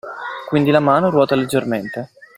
Quindi la mano ruota leggermente